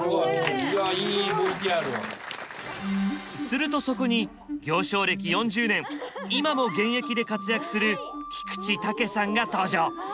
するとそこに行商歴４０年今も現役で活躍する菊地タケさんが登場！